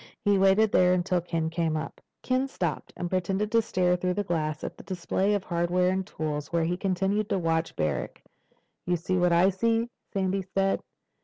He waited there until Ken came up. Ken stopped and pretended to stare through the glass at a display of hardware and tools, while he continued to watch Barrack. "You see what I see?" Sandy said.